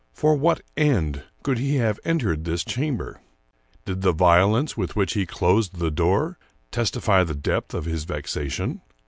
For what end could he have entered this chamber? Did the vio lence with which he closed the door testify the depth of his vexation?